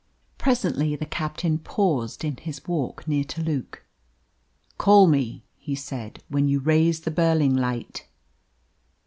Presently the captain paused in his walk near to Luke. "Call me," he said, "when you raise the Burling light."